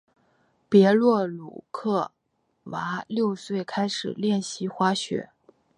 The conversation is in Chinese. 别洛鲁科娃六岁时开始练习滑雪。